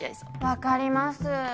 分かります。